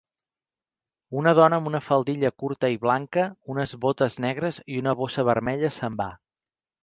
Una dona amb una faldilla curta i blanca, unes botes negres i una bossa vermella se'n va.